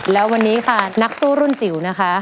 แล้ววันนี้ค่ะนักสู้รุ่นจิ๋วนะคะ